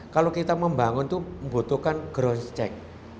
kalau kita membangun itu membutuhkan grounds check